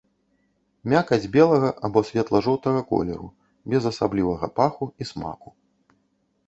Мякаць белага або светла-жоўтага колеру, без асаблівага паху і смаку.